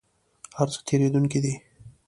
هر څه تیریدونکي دي؟